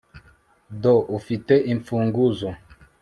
do ufite imfunguzo